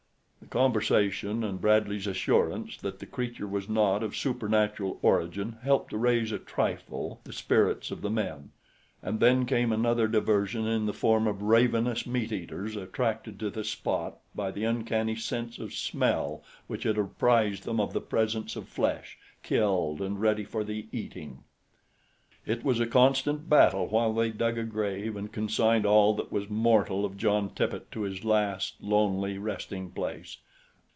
The conversation and Bradley's assurance that the creature was not of supernatural origin helped to raise a trifle the spirits of the men; and then came another diversion in the form of ravenous meat eaters attracted to the spot by the uncanny sense of smell which had apprised them of the presence of flesh, killed and ready for the eating. It was a constant battle while they dug a grave and consigned all that was mortal of John Tippet to his last, lonely resting place.